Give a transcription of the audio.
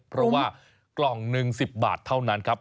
เพราะว่ากล่องหนึ่ง๑๐บาทเท่านั้นครับ